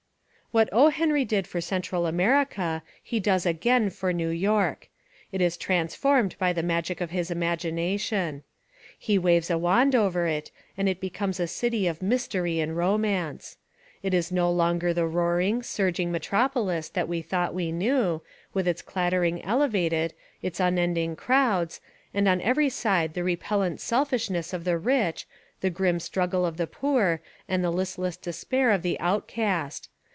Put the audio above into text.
What O. Henry did for Central America he does again for New York. It is trans formed by the magic of his imagination. He waves a wand over it and it becomes a city of mystery and romance. It is no longer the roar ing, surging metropolis that we thought we knew, with its clattering elevated, its unending crowds, and on every side the repellent selfish ness of the rich, the grim struggle of the poor, and the listless despair of the outcast.